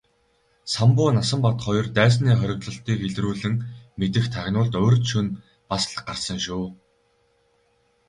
Самбуу Насанбат хоёр дайсны хориглолтыг илрүүлэн мэдэх тагнуулд урьд шөнө бас л гарсан шүү.